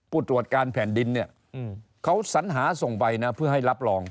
ผู้ตรวจการแผ่นดินเนี่ยเขาสัญหาส่งไปนะเพื่อให้รับรอง